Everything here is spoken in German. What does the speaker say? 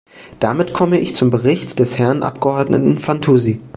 Damit komme ich zum Bericht des Herrn Abgeordneten Fantuzzi.